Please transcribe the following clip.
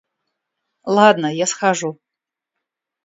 Ладно, я схожу.